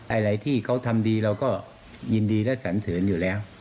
ไอ้หลายที่เขาทำดีเราก็ยินดีและสรรเสริญอยู่แล้ว